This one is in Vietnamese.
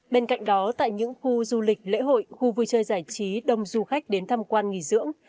bên cạnh đó tại những khu du lịch lễ hội khu vui chơi giải trí đông du khách đến tham quan nghỉ dưỡng